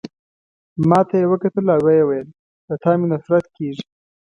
ما ته يې وکتل او ويې ویل: له تا مي نفرت کیږي.